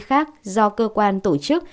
khác do cơ quan tổ chức